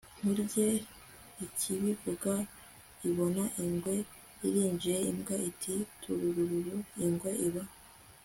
nkurye. ikibivuga, ibona ingwe irinjiye, imbwa iti tururururu! ingwe iba